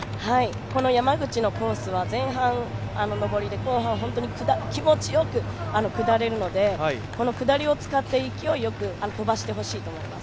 この山口のコースは前半は上りで後半は気持ちよく下れるのでこの下りを使って勢いよく飛ばしてほしいと思います。